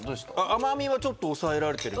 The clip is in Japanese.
甘みはちょっと抑えられてる。